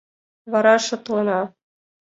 Вара шотлена.